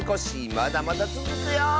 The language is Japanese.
まだまだつづくよ！